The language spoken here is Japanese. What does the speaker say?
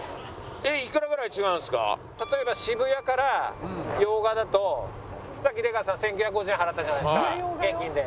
例えば渋谷から用賀だとさっき出川さん１９５０円払ったじゃないですか現金で。